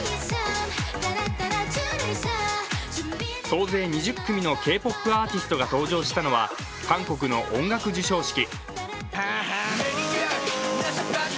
総勢２０組のＫ−ＰＯＰアーティストが登場したのは韓国の音楽授賞式。